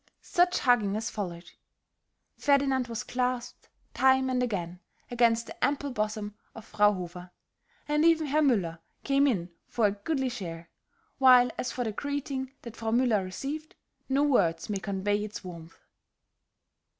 Such hugging as followed! Ferdinand was clasped time and again against the ample bosom of Frau Hofer, and even Herr Müller came in for a goodly share, while as for the greeting that Frau Müller received, no words may convey its warmth.